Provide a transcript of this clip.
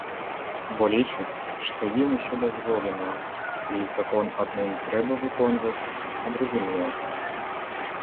Бо лічаць, што ім усё дазволена, і закон адным трэба выконваць, а другім не.